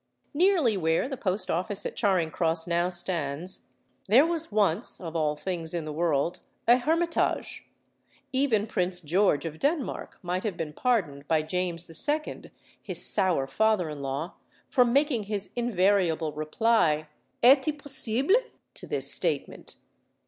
Nearly where the Post Office at Charing Cross now stands, there was once (of all things in the world) a hermitage. Even Prince George of Denmark might have been pardoned by James II., his sour father in law, for making his invariable reply, "Est il possible?" to this statement.